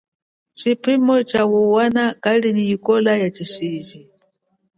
Tshiphimo tshawumwana kali nyi ikola ya tshishiji.